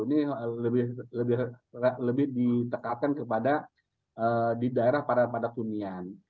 ini lebih ditekatkan kepada di daerah pada punyian